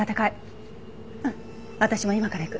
うん私も今から行く。